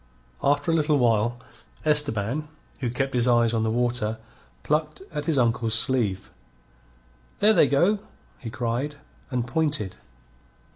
After a little while, Esteban, who kept his eyes on the water, plucked at his uncle's sleeve. "There they go!" he cried, and pointed.